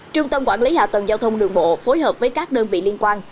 trung tâm quản lý hạ tầng giao thông đường bộ phối hợp với các đơn vị liên quan